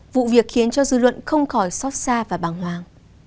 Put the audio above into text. vụ việc khiến cho dư luận không khỏi sót xa và băng hoang